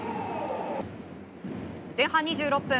前半２６分。